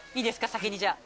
先にじゃあ。